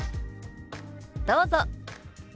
どうぞ。